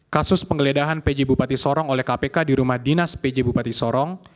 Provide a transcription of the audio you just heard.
kasus penggeledahan pj bupati sorong oleh kpk di rumah dinas pj bupati sorong